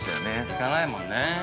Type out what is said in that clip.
◆行かないもんね。